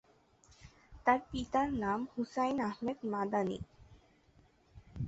তার পিতার নাম হুসাইন আহমদ মাদানি।